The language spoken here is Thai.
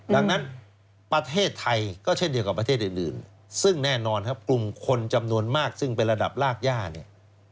ดังนั้นประเทศไทยก็เช่นเดียวกับประเทศอื่นซึ่งแน่นอนครับกลุ่มคนจำนวนมากซึ่งเป็นระดับรากย่าเนี่ย